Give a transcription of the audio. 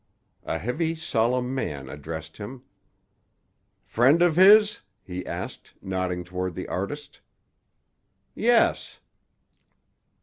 A heavy solemn man addressed him: "Friend of his?" he asked, nodding toward the artist. "Yes."